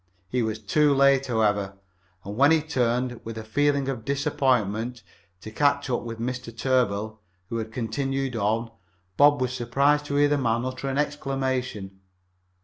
He was too late, however, and when he turned, with a feeling of disappointment, to catch up with Mr. Tarbill, who had continued on, Bob was surprised to hear the man utter an exclamation.